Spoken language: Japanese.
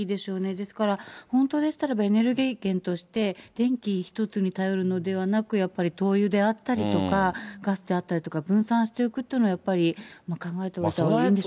ですから、本当でしたらば、エネルギー源として、電気１つに頼るのではなく、やっぱり灯油であったりとか、ガスであったりとか、分散しておくっていうのはやっぱり考えておいたほうがいいんです